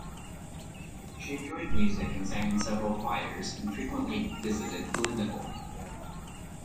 She enjoyed music and sang in several choirs and frequently visited Glyndebourne.